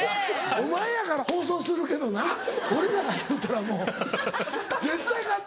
お前やから放送するけどな俺らが言うたらもう絶対カットやん。